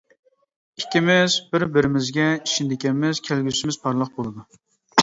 ئىككىمىز بىر-بىرىمىزگە ئىشىنىدىكەنمىز كەلگۈسىمىز پارلاق بولىدۇ.